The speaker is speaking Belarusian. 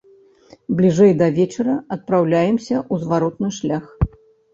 Бліжэй да вечара адпраўляемся ў зваротны шлях.